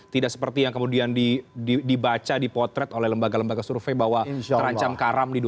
tidak seperti yang kemudian dibaca dipotret oleh lembaga lembaga survei bahwa terancam karam di dua ribu dua puluh